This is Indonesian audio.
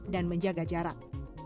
dan menjaga jarak